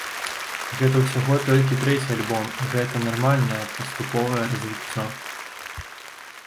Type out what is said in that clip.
Гэта ўсяго толькі трэці альбом, і гэта нармальнае паступовае развіццё.